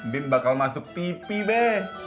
bim bakal masuk tv be